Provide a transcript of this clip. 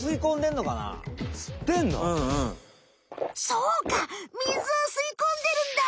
そうか水を吸い込んでるんだ！